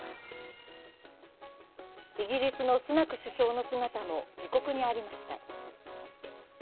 イギリスのスナク首相の姿も自国にありました。